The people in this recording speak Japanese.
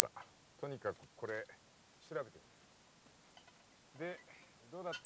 とにかくこれ調べてみるよでどうだった？